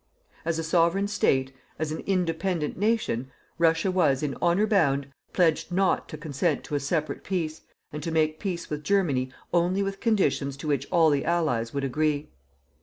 As a Sovereign State, as an independent nation, Russia was, in honour bound, pledged not to consent to a separate peace, and to make peace with Germany only with conditions to which all the Allies would agree.